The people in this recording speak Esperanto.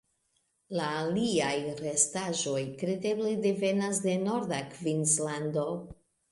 La aliaj restaĵoj kredeble devenas de norda Kvinslando.